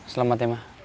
selamat ya ma